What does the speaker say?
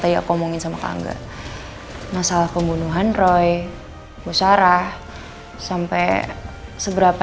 tadi aku ngomongin sama kangga masalah pembunuhan roy goh sara sampai seberapa